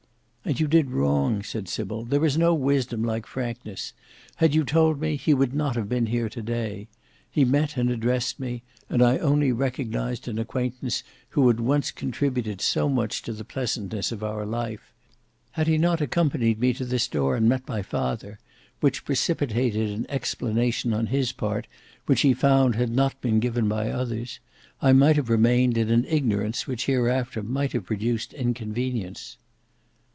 "And you did wrong," said Sybil. "There is no wisdom like frankness. Had you told me, he would not have been here today. He met and addressed me, and I only recognised an acquaintance who had once contributed so much to the pleasantness of our life. Had he not accompanied me to this door and met my father, which precipitated an explanation on his part which he found had not been given by others, I might have remained in an ignorance which hereafter might have produced inconvenience."